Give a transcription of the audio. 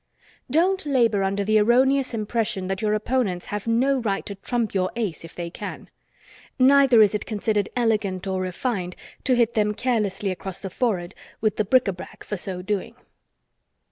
Don't labor under the erroneous impression that your opponents have no right to trump your ace if they can. Neither is it considered elegant or refined to hit them carelessly across the forehead with the bric a brac for so doing.